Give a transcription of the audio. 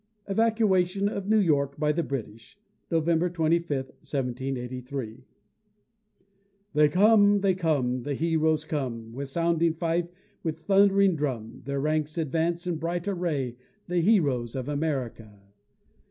EVACUATION OF NEW YORK BY THE BRITISH [November 25, 1783] They come! they come! the heroes come With sounding fife, with thundering drum; Their ranks advance in bright array, The heroes of America!